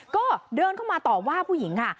ก็เดินเข้ามาต่อว่าผู้หญิงค่ะ